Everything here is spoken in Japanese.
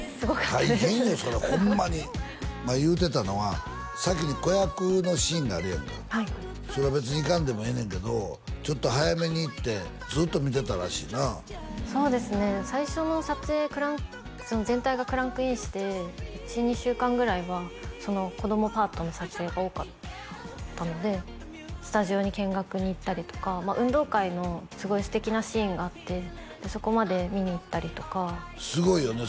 大変よそれホンマに前言うてたのは先に子役のシーンがあるやんかはいそれは別に行かんでもええねんけどちょっと早めに行ってずっと見てたらしいなそうですね最初の撮影全体がクランクインして１２週間ぐらいは子供パートの撮影が多かったのでスタジオに見学に行ったりとか運動会のすごい素敵なシーンがあってそこまで見に行ったりとかすごいよね